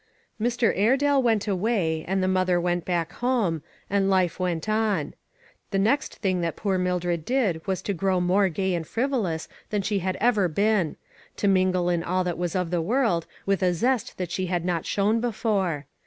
Mr. Airedale went away, and the mother went back home — and life went on. The next thing that poor Mildred did was to grow more gay and frivolous than she had ever been ; to mingle in all that was of the world, with a zest that she had not shown before.